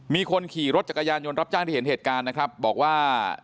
มีคนขี่รถจักรยานยนต์รับจ้างที่เห็นเหตุการณ์นะครับบอกว่า